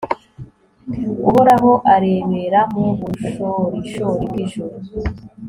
uhoraho arebera mu bushorishori bw'ijuru